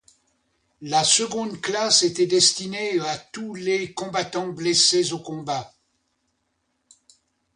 La seconde classe était destinée à tous les combattants blessés au combat.